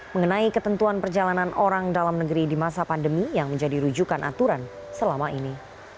mengenai ketentuan perjalanan orang dalam negeri di masa pandemi yang menjadi rujukan aturan selama ini